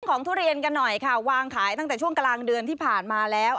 ทุเรียนกันหน่อยค่ะวางขายตั้งแต่ช่วงกลางเดือนที่ผ่านมาแล้ว